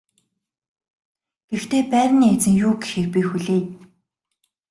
Гэхдээ байрны эзэн юу гэхийг би хүлээе.